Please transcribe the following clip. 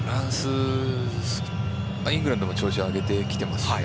イングランドも調子を上げてきていますしね。